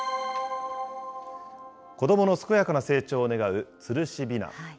子どもの健やかな成長を願うつるしびな。